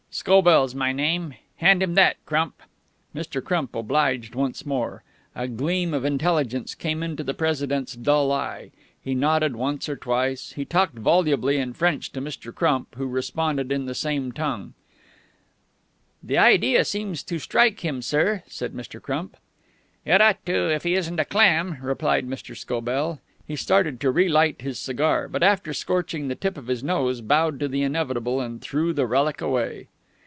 Scobell's my name. Hand him that, Crump." Mr. Crump obliged once more. A gleam of intelligence came into the President's dull eye. He nodded once or twice. He talked volubly in French to Mr. Crump, who responded in the same tongue. "The idea seems to strike him, sir," said Mr. Crump. "It ought to, if he isn't a clam," replied Mr. Scobell. He started to relight his cigar, but after scorching the tip of his nose, bowed to the inevitable and threw the relic away.